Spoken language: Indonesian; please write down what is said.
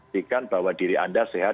pastikan bahwa diri anda sehat